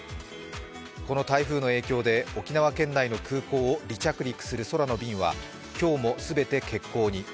この台風の影響で沖縄県内の空港を離着陸する空の便は今日も全て欠航に。